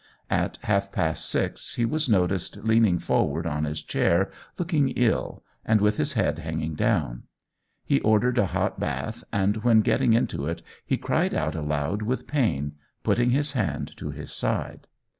At half past six he was noticed leaning forward on his chair, looking ill, and with his head hanging down. He ordered a hot bath, and when getting into it he cried out aloud with pain, putting his hand to his side.